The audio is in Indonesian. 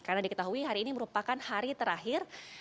karena diketahui hari ini merupakan hari terakhir